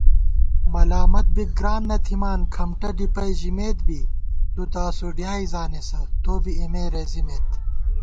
ملامت بِک گران نہ تھِمان کھمٹہ ڈِپَئی ژِمېت بی * تُو تہ اسُو ڈیائےزانېسہ توبی اېمےرېزِمېت